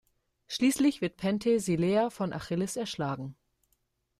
Schließlich wird Penthesilea von Achilles erschlagen.